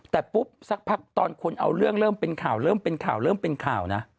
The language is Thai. แต่ปุ๊บสักพักตอนคนเอาเรื่องเริ่มเป็นข่าวเริ่มเป็นข่าวเริ่มเป็นข่าวนะ